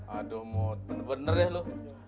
aduh mau bener bener deh lu